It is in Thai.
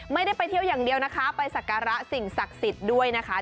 ไม่ได้ไปเที่ยวอย่างเดียวนะคะไปสักการะสิ่งศักดิ์สิทธิ์ด้วยนะคะ